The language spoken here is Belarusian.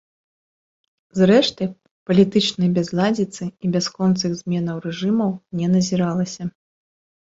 Зрэшты, палітычнай бязладзіцы і бясконцых зменаў рэжымаў не назіралася.